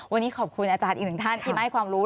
วันนี้ขอบคุณอาจารย์อีกหนึ่งท่านที่มาให้ความรู้